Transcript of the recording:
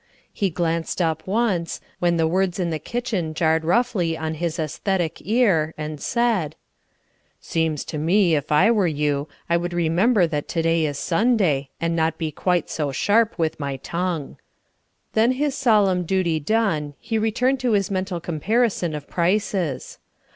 He glanced up once, when the words in the kitchen jarred roughly on his æsthetic ear, and said: "Seems to me, if I were you, I would remember that to day is Sunday, and not be quite so sharp with my tongue." Then his solemn duty done, he returned to his mental comparison of prices.